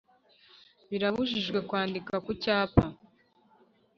Birabujijwe kwandika ku cyapa